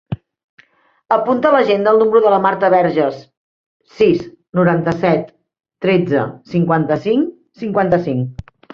Apunta a l'agenda el número de la Marta Verges: sis, noranta-set, tretze, cinquanta-cinc, cinquanta-cinc.